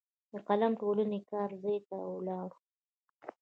د قلم ټولنې کار ځای ته ولاړو.